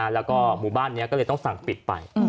แล้วก็หมู่บ้านนี้ก็เลยต้องสั่งปิดไป